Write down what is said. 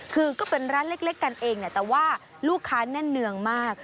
คือก็เป็นร้านเล็กกันเองแต่ว่าลูกค้าแน่นเนืองมาก